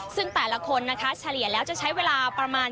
ซึ่งแต่ละคนเฉลี่ยแล้วจะใช้เวลา